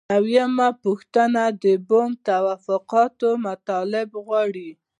نوي یمه پوښتنه د بن توافقاتو مطالب غواړي.